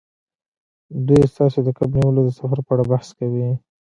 دوی ستاسو د کب نیولو د سفر په اړه بحث کوي